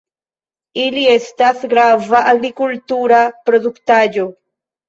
Ili estas grava agrikultura produktaĵo.